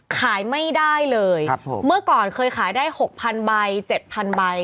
ขายไม่ได้เลยครับผมเมื่อก่อนเคยขายได้หกพันใบเจ็ดพันใบ